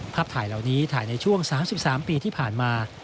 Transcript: ภาพถ่ายเหล่านี้ถ่ายในช่วง๓๓ปีที่ผ่านมา